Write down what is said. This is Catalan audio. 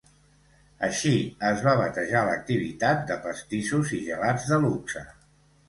Així es va batejar l'activitat de pastissos i gelats de luxe.